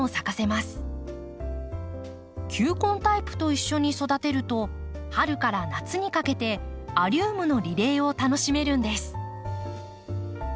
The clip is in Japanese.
球根タイプと一緒に育てると春から夏にかけてアリウムのリレーを楽しめるんです。